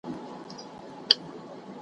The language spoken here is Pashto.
هندو زوړ سو مسلمان نه سو .